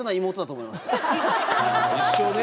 一生ね。